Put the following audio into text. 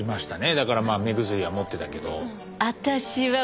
だからまあ目薬は持ってたけど。